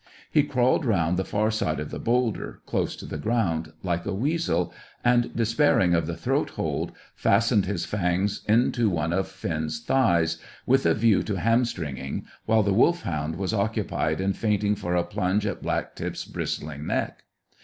He crawled round the far side of the boulder, close to the ground, like a weasel, and, despairing of the throat hold, fastened his fangs into one of Finn's thighs, with a view to ham stringing, while the Wolfhound was occupied in feinting for a plunge at Black tip's bristling neck.